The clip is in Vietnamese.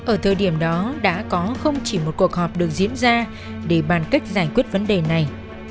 ở thời điểm đó đã có không chỉ một cuộc họp được diễn ra để bàn cách giải quyết vấn đề này